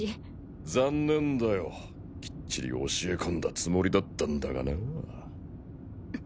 残念だよきっちり教えこんだつもりだったんだがなあ。